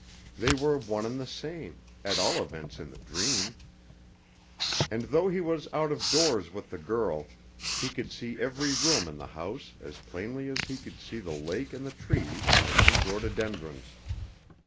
They were one and the same, at all events in the dream. And though he was out of doors with the girl, he could see every room in the house as plainly as he could see the lake and the trees and the pink rhododendrons.